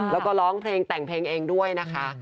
แล้วก็ร้องเพลงแต่งเพลงเองด้วยนะคะ